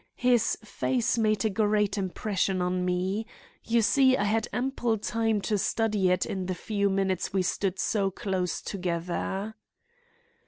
His face made a great impression on me. You see I had ample time to study it in the few minutes we stood so close together."